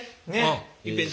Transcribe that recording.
いっぺん？